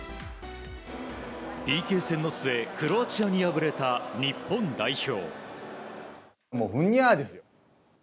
ＰＫ戦の末クロアチアに敗れた日本代表。